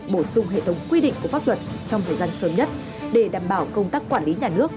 bổ sung hệ thống quy định của pháp luật trong thời gian sớm nhất để đảm bảo công tác quản lý nhà nước